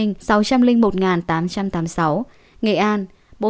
nghệ an bốn trăm một mươi năm một trăm bảy mươi một